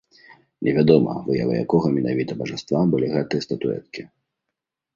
Невядома, выявай якога менавіта бажаства былі гэтыя статуэткі.